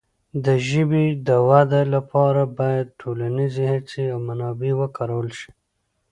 د ژبې د وده لپاره باید ټولنیزې هڅې او منابع وکارول شي.